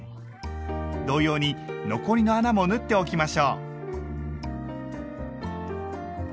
同様に残りの穴も縫っておきましょう。